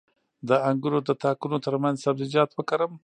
د انګورو د تاکونو ترمنځ سبزیجات وکرم؟